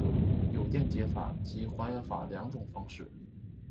有电解法及还原法两种方式。